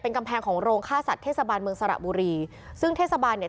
กำแพงของโรงฆ่าสัตว์เทศบาลเมืองสระบุรีซึ่งเทศบาลเนี่ย